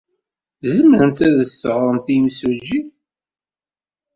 Tzemremt ad as-teɣremt i yimsujji?